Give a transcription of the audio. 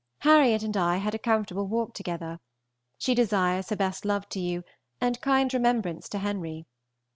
Harriet and I had a comfortable walk together. She desires her best love to you and kind remembrance to Henry.